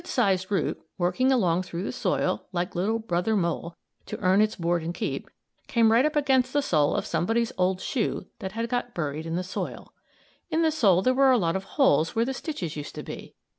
A good sized root, working along through the soil, like Little Brother Mole, to earn its board and keep, came right up against the sole of somebody's old shoe that had got buried in the soil. In the sole were a lot of holes where the stitches used to be.